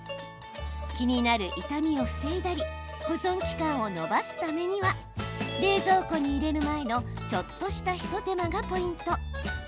気になる傷みを防いだり保存期間を延ばすためには冷蔵庫に入れる前のちょっとした一手間がポイント。